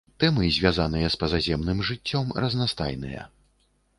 Тэмы, звязаныя з пазаземным жыццём, разнастайныя.